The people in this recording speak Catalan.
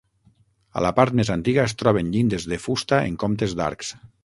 A la part més antiga es troben llindes de fusta en comptes d'arcs.